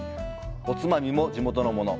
おつまみも地元のもの。